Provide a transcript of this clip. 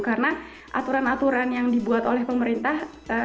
karena aturan aturan yang dibuat oleh pemerintah